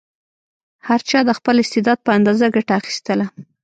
هر چا د خپل استعداد په اندازه ګټه اخیستله.